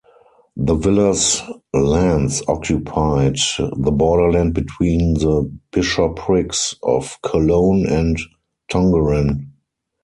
The villa's lands occupied the borderland between the bishoprics of Cologne and Tongeren.